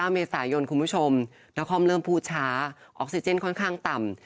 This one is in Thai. เมษายนคุณผู้ชมนครเริ่มพูดช้าออกซิเจนค่อนข้างต่ำ